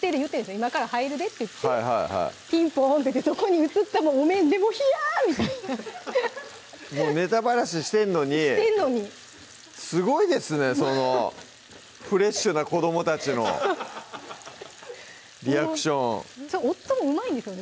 「今から入るで」って言ってピンポンってそこに映ったお面でもうヒヤみたいなもうネタばらししてんのにすごいですねそのフレッシュな子どもたちのリアクション夫もうまいんですよね